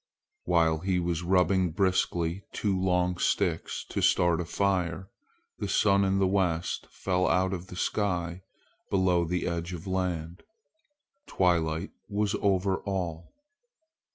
While he was rubbing briskly two long sticks to start a fire, the sun in the west fell out of the sky below the edge of land. Twilight was over all.